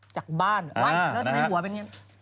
จากบ้านลั่งรถในหัวเป็นอย่างนี้